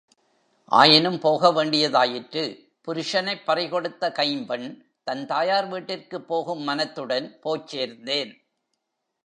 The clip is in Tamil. ஆயினும் போக வேண்டியதாயிற்று புருஷனைப் பறிகொடுத்த கைம்பெண், தன் தாயார் வீட்டிற்குப் போகும் மனத்துடன் போய்ச் சேர்ந்தேன்!